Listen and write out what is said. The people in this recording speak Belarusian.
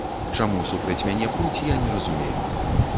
Чаму супраць мяне пруць, я не разумею.